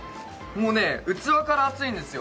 もうね、器から熱いんですよ。